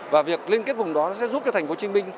và việc liên kết vùng đó sẽ giúp cho thành phố hồ chí minh